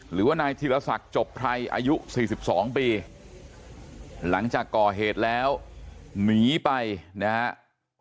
หรือว่านายธีรศักดิ์จบไพรอายุ๔๒ปีหลังจากก่อเหตุแล้วหนีไปนะครับ